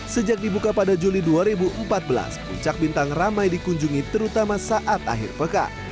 sejak dibuka pada juli dua ribu empat belas puncak bintang ramai dikunjungi terutama saat akhir pekan